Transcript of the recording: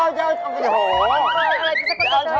อะไรจากค่ะ